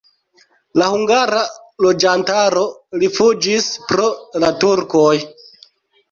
La hungara loĝantaro rifuĝis pro la turkoj.